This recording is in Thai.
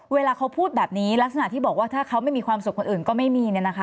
เวลาเขาพูดแบบนี้ลักษณะที่บอกว่าถ้าเขาไม่มีความสุขคนอื่นก็ไม่มี